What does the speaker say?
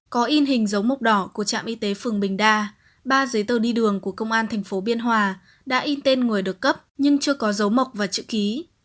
có in hình dấu mộc đỏ của trạm y tế phường bình đa ba giấy tờ đi đường của công an tp biên hòa đã in tên người được cấp nhưng chưa có dấu mộc và chữ ký